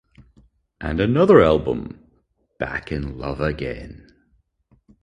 And another album, "Back in Love Again".